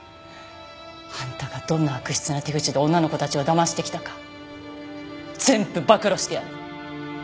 あんたがどんな悪質な手口で女の子たちをだましてきたか全部暴露してやる！